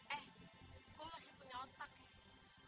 eh gue masih punya otak ya